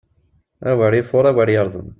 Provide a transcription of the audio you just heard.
Awer ifuṛ, awer yeṛdem!